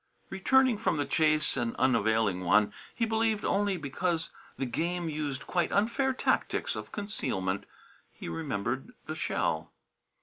Returning from the chase, an unavailing one, he believed, only because the game used quite unfair tactics of concealment, he remembered the shell.